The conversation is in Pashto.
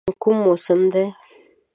کوم موسم دی؟